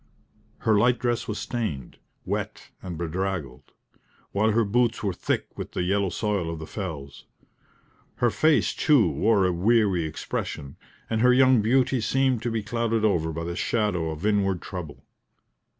Her light dress was stained, wet and bedraggled; while her boots were thick with the yellow soil of the fells. Her face, too, wore a weary expression, and her young beauty seemed to be clouded over by the shadow of inward trouble.